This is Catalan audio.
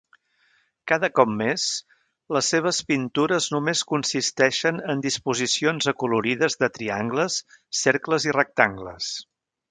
Cada cop més, les seves pintures només consisteixen en disposicions acolorides de triangles, cercles i rectangles.